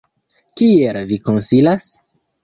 Kiel vi konsilas?